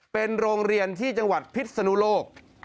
เป็นโรงเรียนที่จังหวัดพิษนุโลก